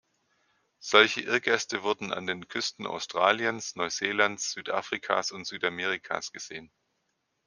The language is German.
Solche Irrgäste wurden an den Küsten Australiens, Neuseelands, Südafrikas und Südamerikas gesehen.